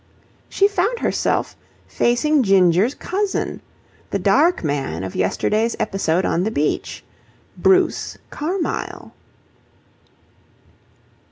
She found herself facing Ginger's cousin, the dark man of yesterday's episode on the beach, Bruce Carmyle.